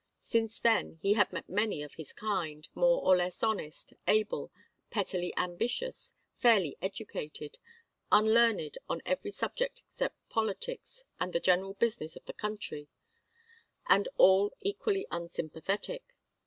Since then he had met many of his kind, more or less honest, able, pettily ambitious, fairly educated, unlearned on every subject except politics and the general business of the country; and all equally unsympathetic.